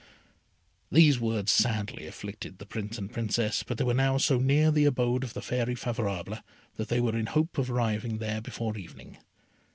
These words sadly afflicted the Prince and Princess, but they were now so near the abode of the Fairy Favourable, that they were in hopes of arriving there before evening.